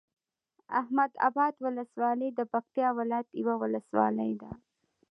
احمداباد ولسوالۍ د پکتيا ولايت یوه ولسوالی ده